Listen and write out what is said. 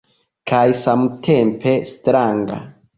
Kaj samtempe stranga.